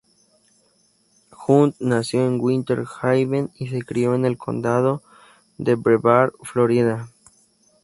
Hunt nació en Winter Haven y se crio en el condado de Brevard, Florida.